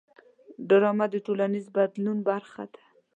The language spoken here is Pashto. ډرامه د ټولنیز بدلون برخه ده